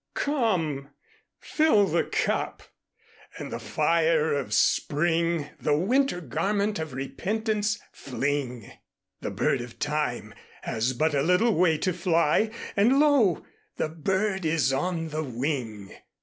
"Come, fill the Cup, and in the Fire of Spring The Winter Garment of Repentance fling; The Bird of Time has but a little way To fly and Lo! the Bird is on the Wing."